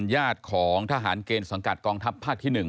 ญาติของทหารเกณฑ์สังกัดกองทัพภาคที่๑